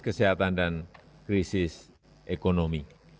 kesehatan dan krisis ekonomi